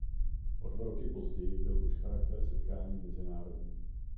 O dva roky později už byl charakter setkání mezinárodní.